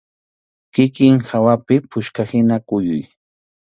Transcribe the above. Kikin hawapi puchkahina kuyuy.